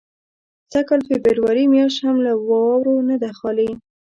سږ کال فبروري میاشت هم له واورو نه ده خالي.